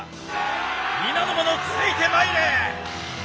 皆の者ついてまいれ！